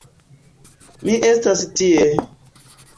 Mi estas tie!